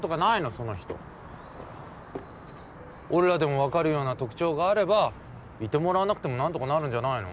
その人俺らでも分かるような特徴があればいてもらわなくても何とかなるんじゃないの？